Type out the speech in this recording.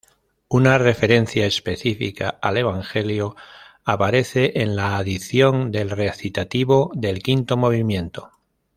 Una referencia específica al evangelio aparece en la adición del recitativo del quinto movimiento.